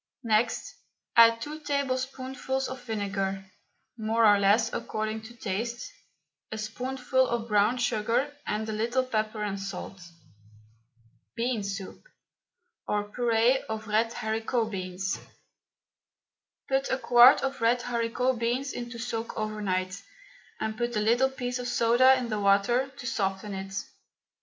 Next add two tablespoonfuls of vinegar more or less according to taste a spoonful of brown sugar, and a little pepper and salt. BEAN SOUP, OR PUREE OF RED HARICOT BEANS. Put a quart of red haricot beans into soak overnight, and put a little piece of soda in the water to soften it.